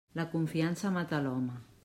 La confiança mata l'home.